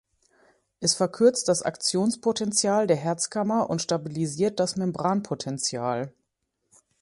Es verkürzt das Aktionspotential der Herzkammer und stabilisiert das Membranpotential.